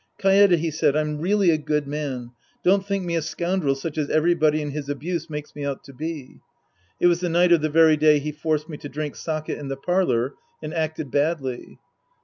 " Kaede," he said, " I'm really a good man ; don't think me a scoundrel such as everybody in his abuse makes me out to be." It was the night of the very day he forced me to drink sake in the parlor and acted badly.